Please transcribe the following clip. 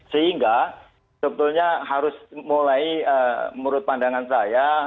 sehingga sebetulnya harus mulai menurut pandangan saya